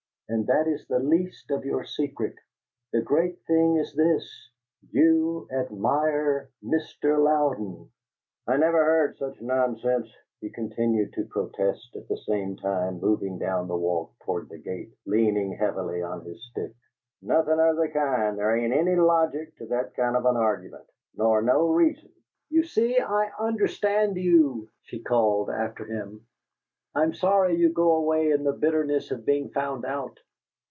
But that is the least of your secret; the great thing is this: YOU ADMIRE MR. LOUDEN!" "I never heard such nonsense," he continued to protest, at the same time moving down the walk toward the gate, leaning heavily on his stick. "Nothin' of the kind. There ain't any LOGIC to that kind of an argument, nor no REASON!" "You see, I understand you," she called after him. "I'm sorry you go away in the bitterness of being found out."